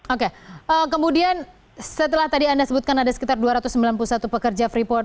oke kemudian setelah tadi anda sebutkan ada sekitar dua ratus sembilan puluh satu pekerja freeport